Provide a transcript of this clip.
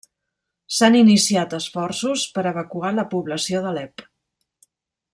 S'han iniciat esforços per evacuar la població d'Alep.